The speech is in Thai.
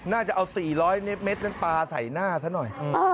น่าจะเอา๔๐๐เมตรนั้นปลาใส่หน้าซะหน่อย